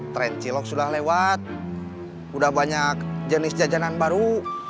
trencilok sudah lewat udah banyak jenis jajanan baru